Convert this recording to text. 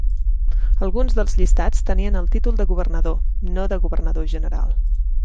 Alguns dels llistats tenien el títol de Governador, no de Governador General.